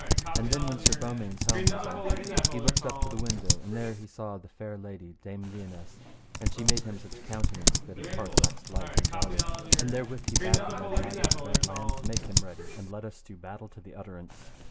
And then when Sir Beaumains' helm was off, he looked up to the window, and there he saw the fair lady Dame Lionesse, and she made him such countenance that his heart waxed light and jolly; and therewith he bade the Red Knight of the Red Launds make him ready, and let us do the battle to the utterance.